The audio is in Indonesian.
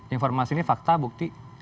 informasi ini fakta bukti